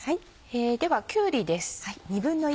ではきゅうりです。